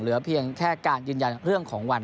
เหลือเพียงแค่การยืนยันเรื่องของวัน